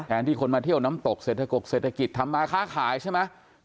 ที่คนมาเที่ยวน้ำตกเศรษฐกเศรษฐกิจทำมาค้าขายใช่ไหม